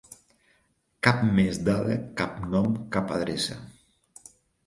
Cap més dada, cap nom, cap adreça.